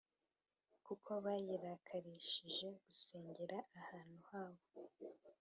Kuko bayirakarishije gusengera ahantu habo